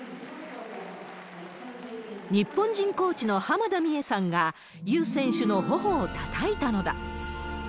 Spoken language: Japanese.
日本人コーチの濱田美栄さんが、ユ選手のほほをたたいたのだ。